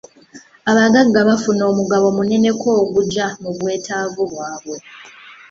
Abagagga bafuna omugabo muneneko ogugya mu bwetaavu bwabwe.